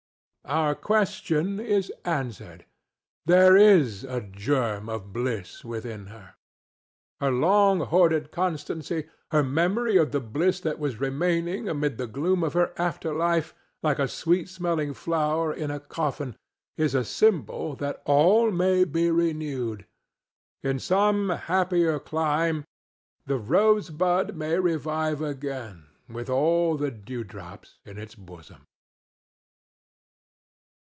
Our question is answered. There is a germ of bliss within her. Her long hoarded constancy, her memory of the bliss that was remaining amid the gloom of her after life like a sweet smelling flower in a coffin, is a symbol that all may be renewed. In some happier clime the Rosebud may revive again with all the dewdrops in its bosom.